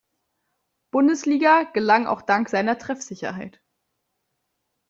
Bundesliga gelang auch dank seiner Treffsicherheit.